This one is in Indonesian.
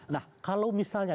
nah kalau misalnya